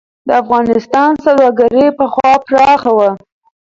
د افغانستان سوداګري پخوا پراخه وه.